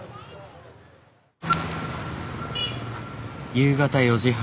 夕方４時半。